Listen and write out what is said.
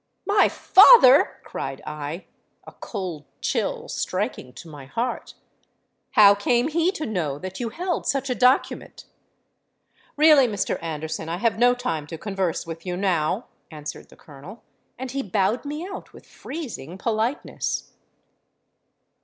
'—'My father!' cried I, a cold chill striking to my heart: 'how came he to know that you held such a document?'—'Really, Mr. Anderson, I have no time to converse with you now,' answered the Colonel; and he bowed me out with freezing politeness.